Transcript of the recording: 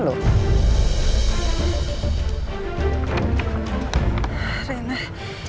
tadi kan lagi bareng ama lu